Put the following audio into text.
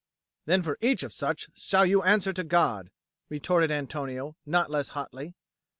"Then for each of such shall you answer to God," retorted Antonio, not less hotly.